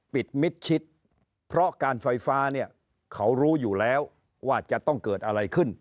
มิดชิดเพราะการไฟฟ้าเนี่ยเขารู้อยู่แล้วว่าจะต้องเกิดอะไรขึ้น